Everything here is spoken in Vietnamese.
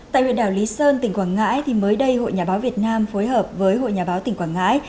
tại huyện đảo lý sơn tỉnh quảng ngãi mới đây hội nhà báo việt nam phối hợp với hội nhà báo tỉnh quảng ngãi